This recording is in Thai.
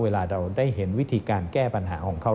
เวลาเราได้เห็นวิธีการแก้ปัญหาของเขา